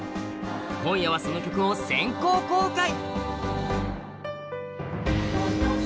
今夜はその曲を先行公開。